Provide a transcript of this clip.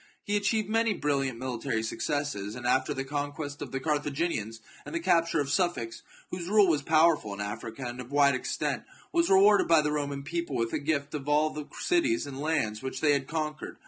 He achieved many brilliant mili tary successes, and after the conquest of the Car thaginians, and the capture of Sufax, whose rule was powerful in Africa, and of wide extent, was rewarded by the Roman people with a gift of all the cities and lands which they had conquered.